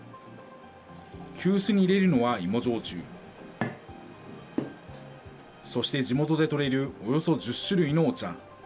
急須に入れるのは芋焼酎、そして地元で取れるおよそ１０種類のお茶。